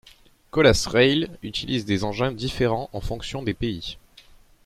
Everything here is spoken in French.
Colas Rail utilise des engins différents en fonction des pays.